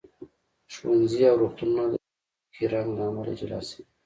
ښوونځي او روغتونونه د پوستکي رنګ له امله جلا شوي.